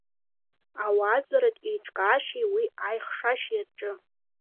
Ауаажәларратә еиҿкаашьеи уи аихшашьеи рҿы.